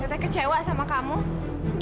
semoga tempoh ini pasa mah somehow